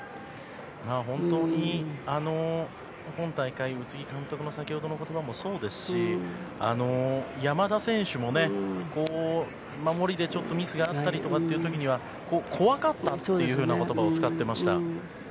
本当に今大会、宇津木監督の先ほどの言葉もそうですし山田選手もね、守りでちょっとミスがあったりとかという時には怖かったというふうな言葉を使っていました。